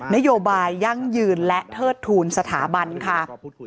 นโยบายยั่งยืนและเทิดทูลสถาบันค่ะ